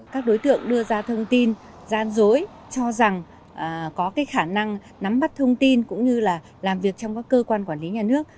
các đối tượng đưa ra thông tin gian dối cho rằng có khả năng nắm bắt thông tin cũng như là làm việc trong các cơ quan quản lý nhà nước